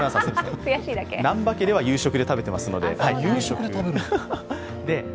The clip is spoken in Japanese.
南波家では夕食で食べてますので。